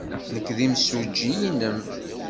Nekk d imsujji-nnem.